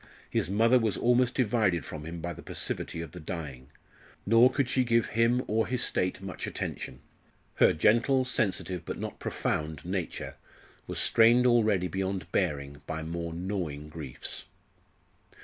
His mother was almost divided from him by this passivity of the dying; nor could she give him or his state much attention. Her gentle, sensitive, but not profound nature was strained already beyond bearing by more gnawing griefs.